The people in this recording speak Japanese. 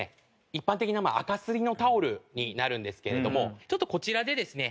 一般的なあかすりのタオルになるんですけれどもこちらでですね